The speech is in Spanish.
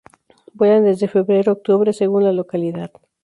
Vuelan desde febrero a octubre según la localidad.